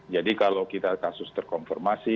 jadi kalau kita kasus terkonfirmasi